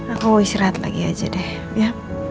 aku istirahat lagi aja deh ya